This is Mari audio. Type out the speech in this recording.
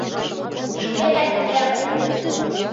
Шкетак веле.